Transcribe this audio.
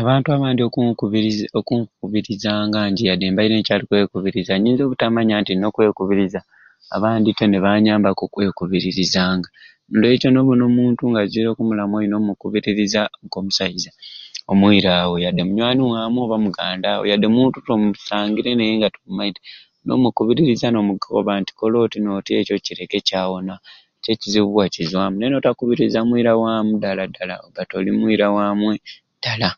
Abantu abandi okunkubiriza okunkubirizanga nti yadde mbaire nkyali kwekubiriza nyinza obutamanya nti nina okwekubiriza abandi te ni banyambaku okwekubirizanga n'olwekyo n'obona omuntu nga azwire okumulamwa olina okumukubiriza k'omusaiza omulaawo yadde munywani waamu oba mugandaawo yadde muntu t'omusangire naye nga omumaite n'omukubiriza nomukoba nti kola oti n'oti ekyo kireke kyawona ekyo ekizibu wakizwamu naye notakubiriza mwirawaamu ddala ddala nga toli mwirawaamwe ddala.